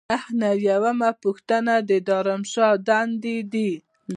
نهه نوي یمه پوښتنه د دارالانشا دندې دي.